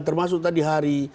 termasuk tadi hari